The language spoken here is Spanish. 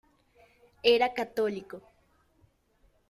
Era católico.